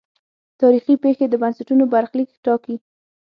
تاریخي پېښې د بنسټونو برخلیک ټاکي.